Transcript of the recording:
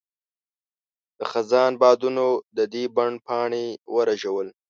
د خزان بادونو د دې بڼ پاڼې ورژول.